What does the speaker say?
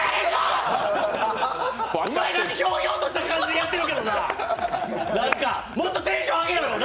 お前は、ひょうひょうとした感じでやってるけどな、もっとテンション上げろよ！